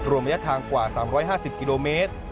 ระยะทางกว่า๓๕๐กิโลเมตร